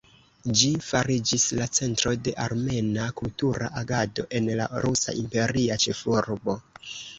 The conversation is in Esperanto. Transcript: Ĝi fariĝis la centro de armena kultura agado en la rusa imperia ĉefurbo.